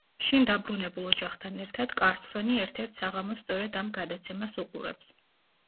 შინ დაბრუნებულ ოჯახთან ერთად კარლსონი ერთ-ერთ საღამოს სწორედ ამ გადაცემას უყურებს.